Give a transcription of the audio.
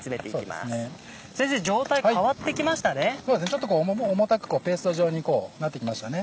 ちょっと重たくこうペースト状になってきましたね。